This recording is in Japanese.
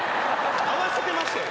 合わせてましたよ